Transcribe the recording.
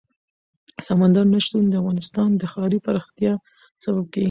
سمندر نه شتون د افغانستان د ښاري پراختیا سبب کېږي.